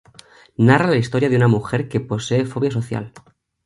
Narra la historia de una mujer que posee fobia social.